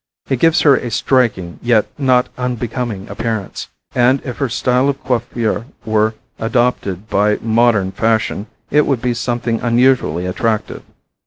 It gives her a striking yet not unbecoming appearance, and, if her style of coiffure were adopted by modern fashion it would be something unusually attractive.